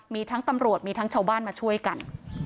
มีทั้งตำรวจมีทั้งชาวบ้านมาช่วยกัน